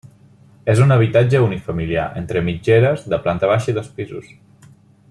És un habitatge unifamiliar entre mitgeres, de planta baixa i dos pisos.